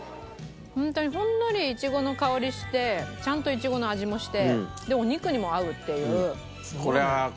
ホントにほんのりいちごの香りしてちゃんといちごの味もしてでお肉にも合うっていう。